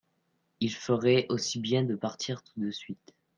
Ils feraient aussi bien de partir tout de suite.